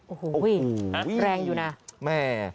โอ้โหแรงอยู่นะ